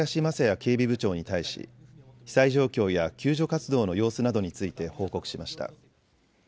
警備部長に対し被災状況や救助活動の様子などについて報告しました。